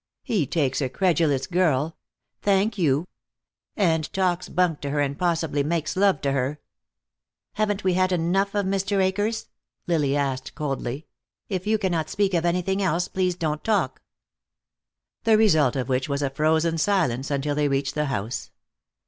He takes a credulous girl " "Thank you!" "And talks bunk to her and possibly makes love to her " "Haven't we had enough of Mr. Akers?" Lily asked coldly. "If you cannot speak of anything else, please don't talk." The result of which was a frozen silence until they reached the house.